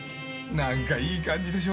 なんかいい感じでしょ？